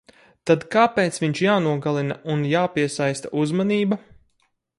Tad kāpēc viņš jānogalina un japiesaista uzmanība?